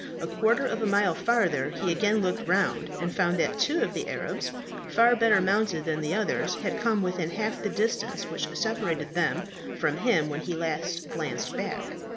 A quarter of a mile farther he again looked round, and found that two of the Arabs, far better mounted than the others, had come within half the distance which separated them from him when he last glanced back.